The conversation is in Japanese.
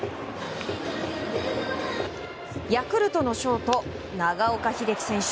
ヤクルトのショート長岡秀樹選手。